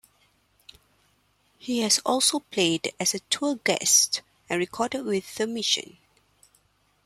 He has also played as a tour guest and recorded with The Mission.